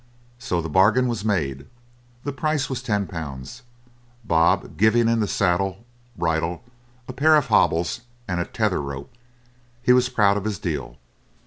So the bargain was made; the price was ten pounds, Bob giving in the saddle, bridle, a pair of hobbles, and a tether rope. He was proud of his deal.